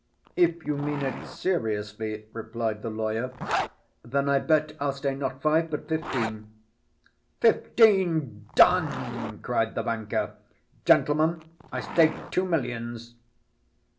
"If you mean it seriously," replied the lawyer, "then I bet I'll stay not five but fifteen." "Fifteen! Done!" cried the banker. "Gentlemen, I stake two millions."